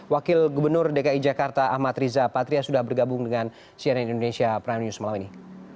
wakil gubernur dki jakarta ahmad riza patria sudah bergabung dengan cnn indonesia prime news malam ini